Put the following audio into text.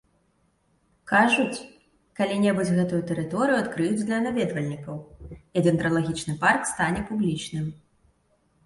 Кажуць, калі-небудзь гэтую тэрыторыю адкрыюць для наведвальнікаў, і дэндралагічны парк стане публічным.